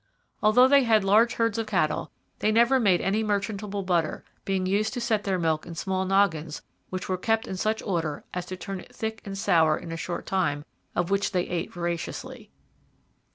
Although they had large herds of cattle, 'they never made any merchantable butter, being used to set their milk in small noggins which were kept in such order as to turn it thick and sour in a short time, of which they ate voraciously.'